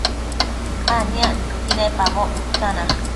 aniactsëqui icpaboc mitsana